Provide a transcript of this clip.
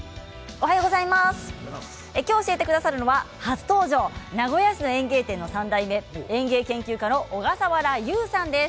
今日教えてくださるのは、初登場名古屋市の園芸店の３代目園芸研究家の小笠原悠さんです。